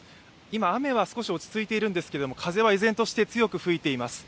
今、雨は少し落ち着いているんですけれども、風は依然として強く吹いています。